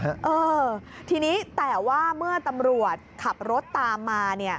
เออทีนี้แต่ว่าเมื่อตำรวจขับรถตามมาเนี่ย